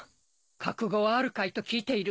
覚悟はあるかいと聞いている。